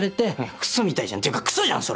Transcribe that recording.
クソみたいじゃんっていうかクソじゃんそれ。